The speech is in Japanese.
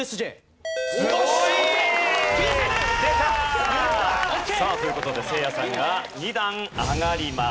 すごい！さあという事でせいやさんが２段上がります。